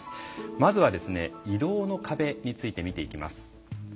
まずは、移動の壁について見ていきます。